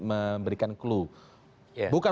memberikan clue bukan